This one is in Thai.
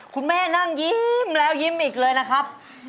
คุณแม่นั่งยิ้มแล้วยิ้มอีกเลยนะครับ